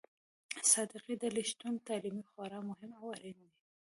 صادقې ډلې شتون تعلیمي خورا مهم او اړين دي.